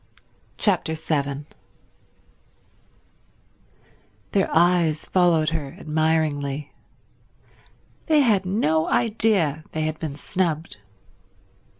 Chapter 7 Their eyes followed her admiringly. They had no idea they had been snubbed.